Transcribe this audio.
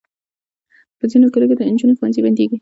په ځینو کلیو کې د انجونو ښوونځي بندېږي.